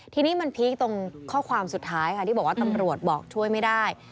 ทีนี้มันพีคตรงข้อความสุดท้ายค่ะที่บอกว่าตำรวจบอกช่วยไม่ได้